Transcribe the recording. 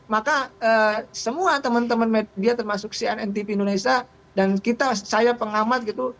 maka semua teman teman media termasuk cnn tv indonesia dan kita saya pengamat gitu